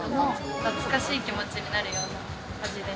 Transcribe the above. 懐かしい気持ちになるような味です。